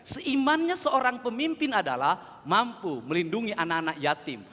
seimannya seorang pemimpin adalah mampu melindungi anak anak yatim